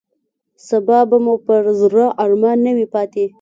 سبا به مو پر زړه ارمان نه وي پاتې.